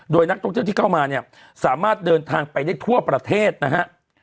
โดยนักท่องเที่ยวที่เข้ามาเนี่ยสามารถเดินทางไปได้ทั่วประเทศนะฮะ